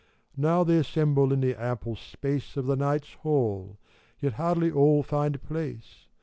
Now they assemble in the ample space Of the Knights' Hall ; yet hardly all find place.